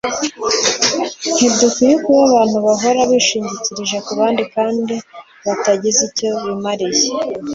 ntidukwiriye kuba abantu bahora bishingikiriza ku bandi kandi batagize icyo bimariye